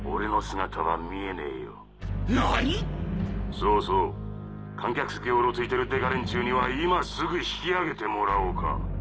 そうそう観客席をうろついてる刑事連中には今すぐ引きあげてもらおうか。